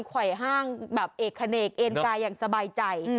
ไขว่ห้างเอกขนาดเอกอินการอย่างสบายใจ